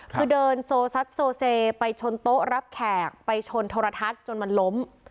คือเดินโซซัดโซเซไปชนโต๊ะรับแขกไปชนโทรทัศน์จนมันล้ม